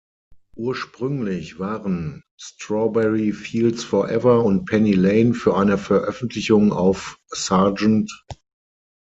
Ursprünglich waren "Strawberry Fields Forever" und "Penny Lane" für eine Veröffentlichung auf "Sgt.